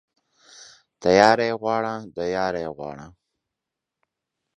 تياره يې غواړه ، د ياره يې غواړه.